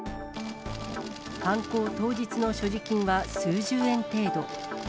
犯行当日の所持金は数十円程度。